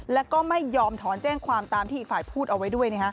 แล้วก็ไม่ยอมถอนแจ้งความตามที่อีกฝ่ายพูดเอาไว้ด้วย